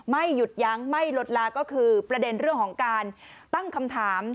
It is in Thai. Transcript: ไม่หยุดยั้งไม่ลดลาก็คือประเด็นเรื่องของการตั้งคำถาม